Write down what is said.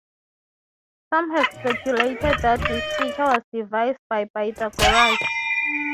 Some have speculated that this feature was devised by Pythagoras.